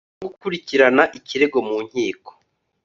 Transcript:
no gukurikirana ikirego mu nkiko